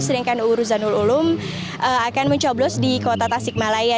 sedangkan uru zanul ulum akan mencoblos di kota tasikmalaya